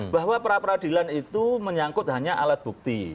bahwa pra peradilan itu menyangkut hanya alat bukti